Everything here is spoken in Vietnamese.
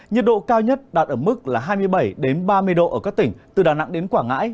nhiệt độ cao nhất đạt ở mức là hai mươi bảy ba mươi độ ở các tỉnh từ đà nẵng đến quảng ngãi